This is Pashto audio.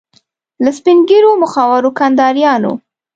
له سپین ږیرو مخورو کنداریانو.